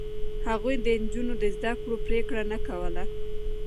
هغوی د نجونو د زده کړو پرېکړه نه کوله.